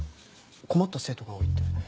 困った生徒が多いって。